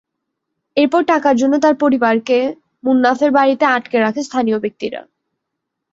এরপর টাকার জন্য তাঁর পরিবারকে মোন্নাফের বাড়িতে আটকে রাখে স্থানীয় ব্যক্তিরা।